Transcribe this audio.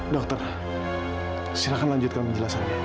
dokter silahkan lanjutkan penjelasannya